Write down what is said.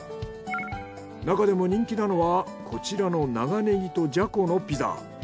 なかでも人気なのはこちらの長ねぎとじゃこのピザ。